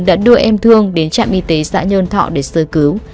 đã đưa em thương đến trạm y tế xã nhơn thọ để sơ cứu